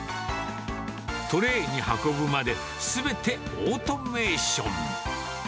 トレーに運ぶまですべてオートメーション。